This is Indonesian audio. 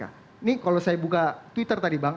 ini kalau saya buka twitter tadi bang